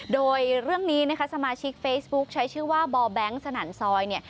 โดยเรื่องนี้นะคะสมาชิกเฟซบุ๊คใช้ชื่อว่าบ่อแบงค์สนั่นซอยเนี่ย